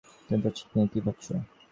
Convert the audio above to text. তুমি পোশাকটি নিয়ে কি ভাবছ?